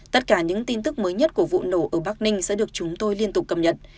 tất cả những tin tức mới nhất của vụ nổ ở bắc ninh sẽ được chúng tôi liên tục cập nhật